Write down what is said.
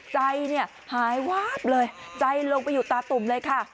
ใจเนี่ยหายวาบเลยใจลงไปอยู่ตาตุ่มเลยค่ะ